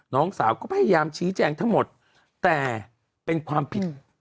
น้องสาวก็พยายามชี้แจงทั้งหมดแต่เป็นความผิด